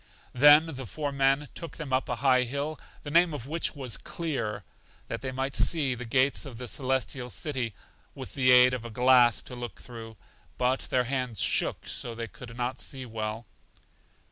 Then the four men took them up a high hill, the name of which was Clear, that they might see the gates of The Celestial City, with the aid of a glass to look through, but their hands shook, so they could not see well.